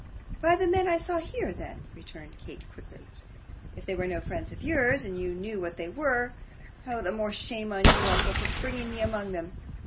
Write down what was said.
'By the men I saw here, then,' returned Kate, quickly. 'If they were no friends of yours, and you knew what they were, oh, the more shame on you, uncle, for bringing me among them.